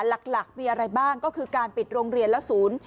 หลักมีอะไรบ้างก็คือการปิดโรงเรียนและศูนย์